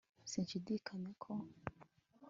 sinshidikanya ko